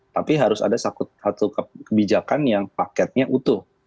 tapi harus ada satu kebijakan yang paketnya utuh